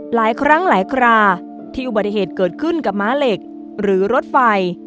หลายครั้งหลายคราที่อุบัติเหตุเกิดขึ้นกับม้าเหล็กหรือรถไฟ